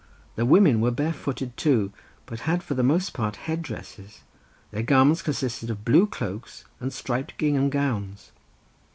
The women were barefooted too, but had for the most part headdresses; their garments consisted of blue cloaks and striped gingham gowns.